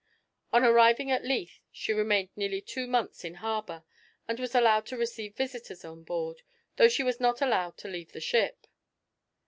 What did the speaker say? On arriving at Leith she remained nearly two months in harbour, and was allowed to receive visitors on board, though she was not allowed to leave the ship.